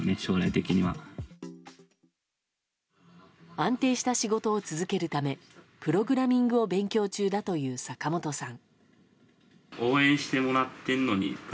安定した仕事を続けるためプログラミングを勉強中だという坂本さん。